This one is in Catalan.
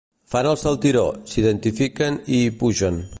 Fan el saltiró, s'identifiquen i hi pugen.